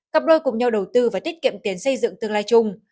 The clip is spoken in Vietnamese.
cặp đôi cùng nhau đầu tư và tiết kiệm tiền xây dựng tương lai chung